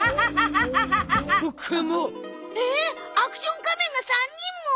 ええっアクション仮面が３人も？